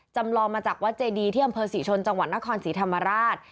จำลองมาจากวัดเจดีที่อำเภอศรีชนจังหวัดนครศรีธรรมราช